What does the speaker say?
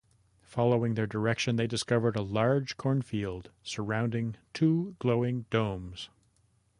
Following their direction, they discover a large cornfield surrounding two glowing domes.